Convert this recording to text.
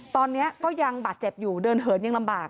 ตอนนี้ก็ยังบาดเจ็บอยู่เดินเหินยังลำบาก